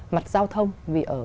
mặt giao thông vì ở